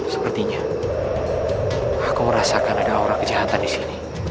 sepertinya aku merasakan ada orang kejahatan di sini